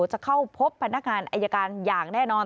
จะเข้าพบพนักงานอายการอย่างแน่นอน